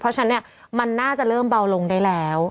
เพราะฉะนั้นเนี่ยมันน่าจะเริ่มเบาลงได้แล้ว